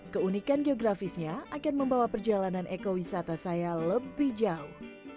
keunikan geografisnya akan membawa perjalanan ekowisata saya lebih jauh